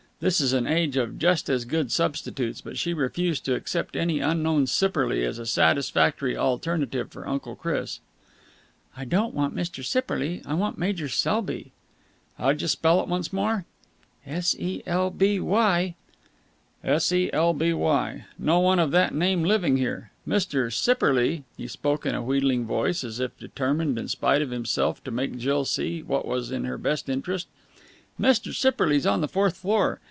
This is an age of just as good substitutes, but she refused to accept any unknown Sipperley as a satisfactory alternative for Uncle Chris. "I don't want Mr. Sipperley. I want Major Selby." "Howja spell it once more?" "S e l b y." "S e l b y. No one of that name living here. Mr. Sipperley " he spoke in a wheedling voice, as if determined, in spite of herself, to make Jill see what was in her best interests "Mr. Sipperley's on the fourth floor.